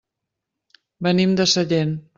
Venim de Sellent.